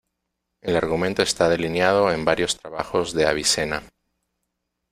El argumento está delineado en varios trabajos de Avicena.